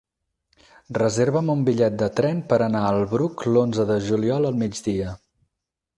Reserva'm un bitllet de tren per anar al Bruc l'onze de juliol al migdia.